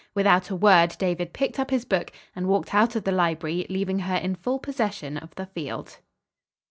Without a word David picked up his book and walked out of the library, leaving her in full possession of the field.